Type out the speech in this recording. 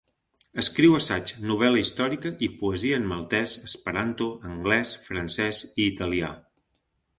Escriu assaig, novel·la històrica i poesia en maltès, esperanto, anglès, francès i italià.